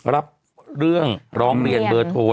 รับเรื่องร้องเรียนเบอร์โทร